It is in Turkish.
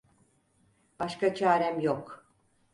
Başka çarem yok.